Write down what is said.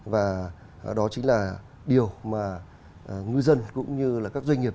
và đó chính là điều mà ngư dân cũng như là các doanh nghiệp